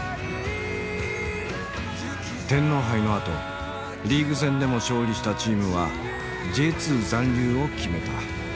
天皇杯のあとリーグ戦でも勝利したチームはＪ２残留を決めた。